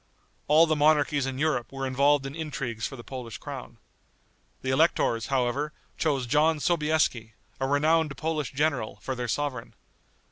All the monarchies in Europe were involved in intrigues for the Polish crown. The electors, however, chose John Sobieski, a renowned Polish general, for their sovereign.